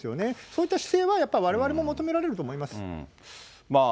そういった姿勢は、やっぱりわれわれも求められると思います。